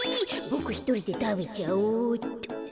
ボクひとりでたべちゃおうっと。